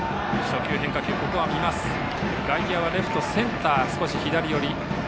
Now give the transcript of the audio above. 外野はレフト、センターは少し左寄り。